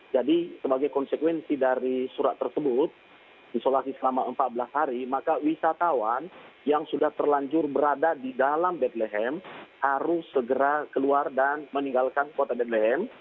jadi sebagai konsekuensi dari surat tersebut isolasi selama empat belas hari maka wisatawan yang sudah terlanjur berada di dalam bethlehem harus segera keluar dan meninggalkan kota bethlehem